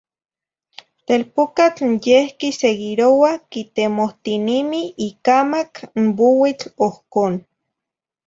Telpucatl n yeh quiseguiroa quitemohtinimi icamac n buitl ohcon,